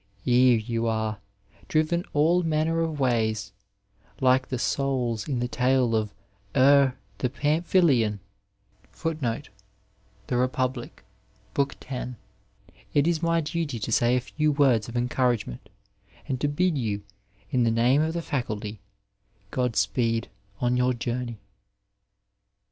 Ere you are driven all manner of ways, like the souls in the tale of Er the Pamphylian,' it is my duty to say a few words of encouragement and to bid you, in the name of the Faculty, God speed on your journey.